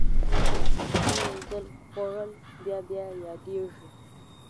خټکی یو ځل خوړل بیا بیا یادېږي.